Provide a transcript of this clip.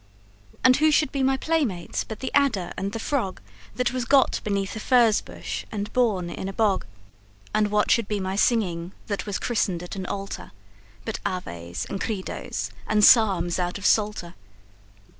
And who should be my playmates but the adder and the frog, That was got beneath a furze bush and born in a bog? And what should be my singing, that was christened at an altar, But Aves and Credos and Psalms out of Psalter?